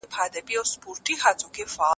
د پښتو ژبې شاعري زموږ د کلتور پېژندنه ده.